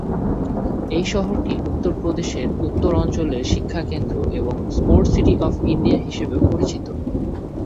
এই শহরটি উত্তর প্রদেশের উত্তর অঞ্চলের শিক্ষা কেন্দ্র, এবং "স্পোর্টস সিটি অফ ইন্ডিয়া" হিসাবেও পরিচিত।